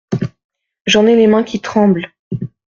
J’en ai les mains qui tremblent.